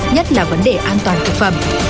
nhất là vấn đề an toàn thực phẩm